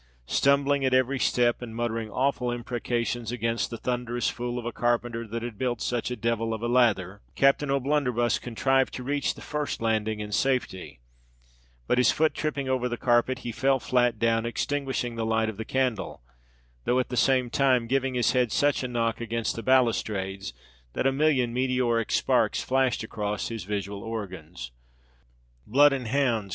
Stumbling at every step, and muttering awful imprecations against the "thunthering fool of a carpenter that had built such a divil of a lath er," Captain O'Blunderbuss contrived to reach the first landing in safety; but, his foot tripping over the carpet, he fell flat down, extinguishing the light of the candle, though at the same time giving his head such a knock against the balustrades, that a million meteoric sparks flashed across his visual organs. "Blood and hounds!"